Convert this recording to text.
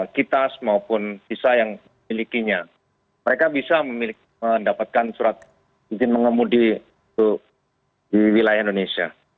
kitas maupun visa yang milikinya mereka bisa mendapatkan surat izin mengemudi di wilayah indonesia